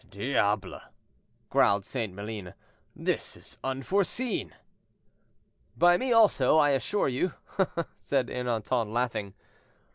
"Diable!" growled St. Maline; "this is unforeseen." "By me also, I assure you," said Ernanton, laughing.